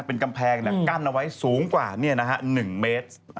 เป็นกำแพงกั้นเอาไว้สูงกว่า๑เมตร